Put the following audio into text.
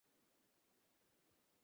আমি রান্না সারিয়া আসিতেছি।